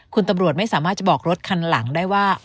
คุณตำรวจไม่สามารถจะบอกรถคันหลังได้ว่า